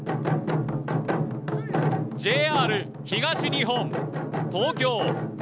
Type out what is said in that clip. ＪＲ東日本・東京。